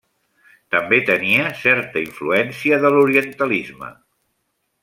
També tenia certa influència de l'orientalisme.